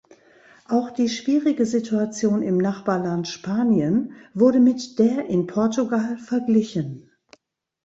Auch die schwierige Situation im Nachbarland Spanien wurde mit der in Portugal verglichen.